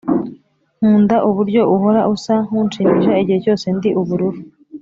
nkunda uburyo uhora usa nkunshimisha igihe cyose ndi ubururu.